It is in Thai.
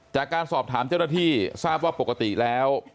จากการสอบถามเจ้าหน้าที่ทราบว่าปกติแล้ว